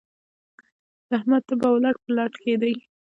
د احمد تبه وه؛ لټ پر لټ کېدی.